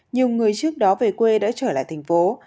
nhiều người trước đó về quê đã trở lại thành phố